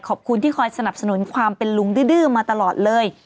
ขอบคุณที่คอยสนับสนุนความเป็นลุงดื้อมาตลอดเลย